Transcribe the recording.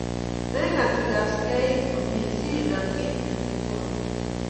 Mekat ikaste iit komye siinam kiit ne kimwoun